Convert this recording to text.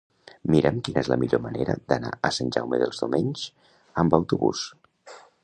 Mira'm quina és la millor manera d'anar a Sant Jaume dels Domenys amb autobús.